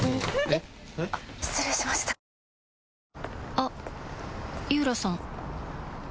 あっ井浦さん